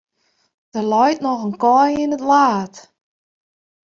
Der leit noch in kaai yn it laad.